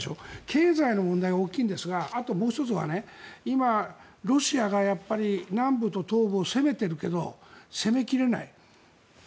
経済の問題が大きいんですがあともう１つは今、ロシアが南部と東部を攻めているけど攻め切れない。